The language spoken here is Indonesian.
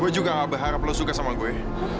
gue juga gak berharap lo suka sama gue ini